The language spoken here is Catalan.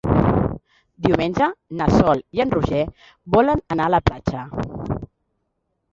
Diumenge na Sol i en Roger volen anar a la platja.